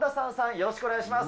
よろしくお願いします。